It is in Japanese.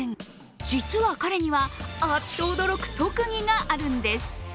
実は彼には、あっと驚く特技があるんです。